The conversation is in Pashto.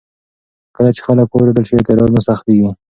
کله چې خلک واورېدل شي، اعتراض نه سختېږي.